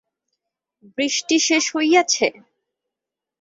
বৃষ্টি শেষ হইয়াছে।